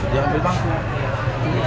dia ambil panggung